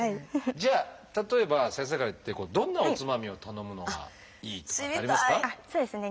じゃあ例えば先生からどんなおつまみを頼むのがいいとかってありますか？